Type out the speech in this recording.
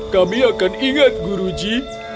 kami akan ingat guruji